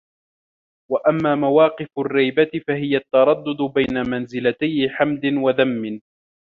وَأَمَّا مَوَاقِفُ الرِّيبَةِ فَهِيَ التَّرَدُّدُ بَيْنَ مَنْزِلَتَيْ حَمْدٍ وَذَمٍّ